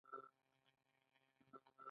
موږ غواړو خپله اخلاقي دنده ثابته کړو.